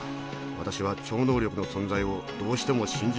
私は超能力の存在をどうしても信じられないのです。